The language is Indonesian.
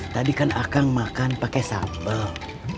tadi kan akang makan pakai sambal